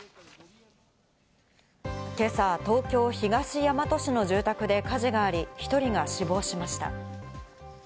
今朝、東京・東大和市の住宅で火事があり１人が死亡しました。